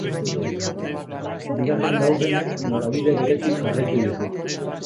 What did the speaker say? Bigarren laurdenak norabide beretik jarraitu du.